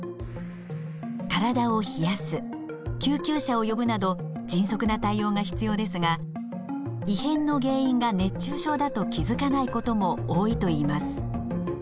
体を冷やす救急車を呼ぶなど迅速な対応が必要ですが異変の原因が熱中症だと気づかないことも多いといいます。